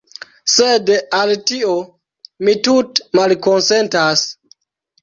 Sed al tio, mi tute malkonsentas.